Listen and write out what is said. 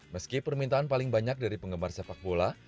meski permintaan paling banyak dari penggemar sepak bola